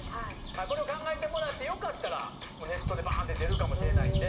これを考えてもらって良かったらネットでバーンって出るかもしれないんで。